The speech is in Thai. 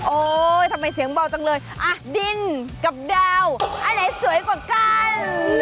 ทำไมเสียงเบาจังเลยอ่ะดินกับดาวอันไหนสวยกว่ากัน